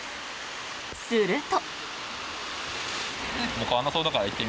すると。